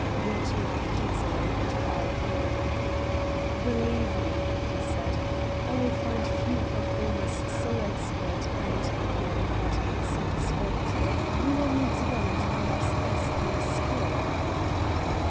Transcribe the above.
Brett laughed easily, and bowed low. "Believe me," he said, "I will find few performers so expert and, may I add, so discreet. We will meet again, and perhaps test your skill."